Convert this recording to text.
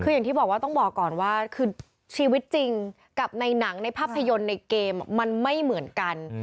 คืออย่างที่บอกว่าต้องบอกก่อนว่าคือชีวิตจริงกับในหนังในภาพยนตร์ในเกมมันไม่เหมือนกัน